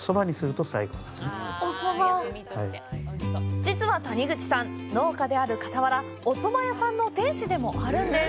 実は谷口さん、農家である傍ら、お蕎麦屋の店主でもあるんです。